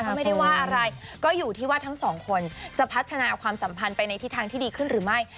ก็ไม่ได้ว่าอะไรก็อยู่ที่ว่าทั้งสองคนจะพัฒนาความสัมพันธ์ไปในทิศทางที่ดีขึ้นหรือไม่